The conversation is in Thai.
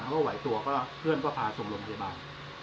เขาก็ไหวตัวเพื่อนก็พาส่งลงพยาบาล